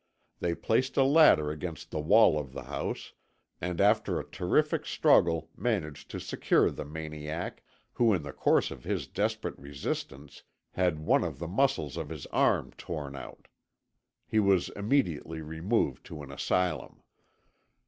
They placed a ladder against the wall of the house, and after a terrific struggle managed to secure the maniac, who in the course of his desperate resistance had one of the muscles of his arm torn out. He was immediately removed to an asylum.